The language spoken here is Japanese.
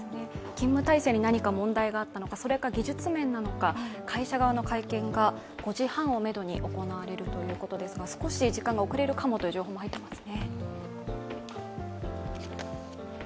勤務態勢に何か問題があったのか、技術面なのか会社側の会見が５時半をめどに行われるということですが、少し時間が遅れるかもという情報が入ってきています。